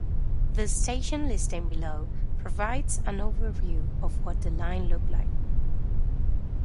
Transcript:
The station listing below provides an overview of what the line looked like.